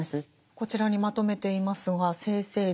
こちらにまとめていますが「生政治」。